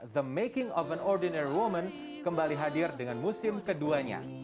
the making of an ordinary woman kembali hadir dengan musim keduanya